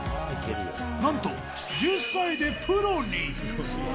なんと１０歳でプロに。